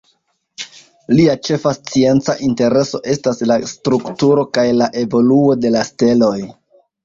Lia ĉefa scienca intereso estas la strukturo kaj la evoluo de la steloj.